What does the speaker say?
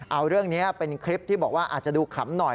เอาเรื่องนี้เป็นคลิปที่บอกว่าอาจจะดูขำหน่อย